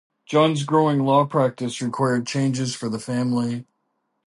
John's growing law practice required changes for the family.